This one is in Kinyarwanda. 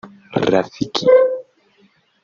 Rafiki